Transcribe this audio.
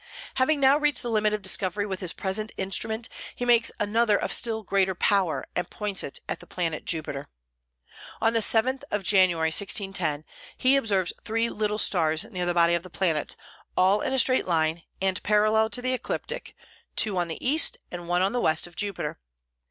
Having now reached the limit of discovery with his present instrument, he makes another of still greater power, and points it to the planet Jupiter. On the 7th of January, 1610, he observes three little stars near the body of the planet, all in a straight line and parallel to the ecliptic, two on the east and one on the west of Jupiter.